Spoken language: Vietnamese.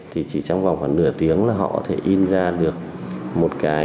thì chỉ trong vòng khoảng nửa tiếng là họ có thể in ra được một cái